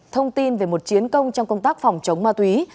thông tin về một chiến công trong công tác phòng chống ma túy